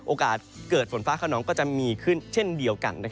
โอกาสเกิดฝนฟ้าขนองก็จะมีขึ้นเช่นเดียวกัน